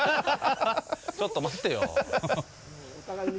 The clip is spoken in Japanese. ちょっと待ってよ。